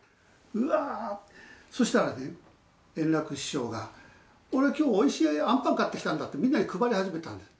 うわー、そうしたらね、円楽師匠が、俺、きょう、おいしいあんパン買ってきたんだって、みんなに配り始めたんです。